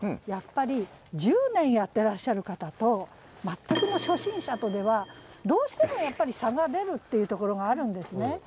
やっぱり１０年やってらっしゃる方と全くの初心者とではどうしてもやっぱり差が出るっていうところがあるんですね。